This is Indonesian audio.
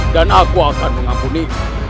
dan aku akan mengakuni